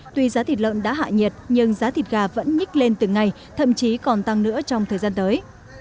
tuy giá thịt lợn đã hạ nhiệt nhưng giá thịt gà vẫn nhích lên từng ngày thậm chí còn tăng nữa trong thời gian tới